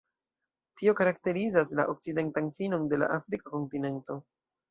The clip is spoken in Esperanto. Tio karakterizas la okcidentan finon de la Afrika kontinento.